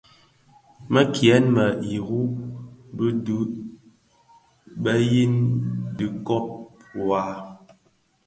Bi kinyèn-më iru bi duru beyin di dhikob wuō,